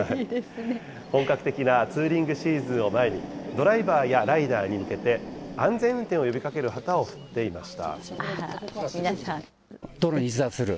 本格的なツーリングシーズンを前に、ドライバーやライダーに向けて安全運転を呼びかける旗を振っていました。